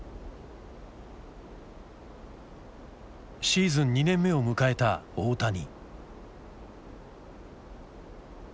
シーズン２年目を迎えた大谷。